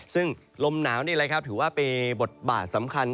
ซึ่งลมหนาวนี่ถือว่าเป็นบทบาทสำคัญ